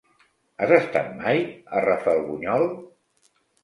Has estat mai a Rafelbunyol?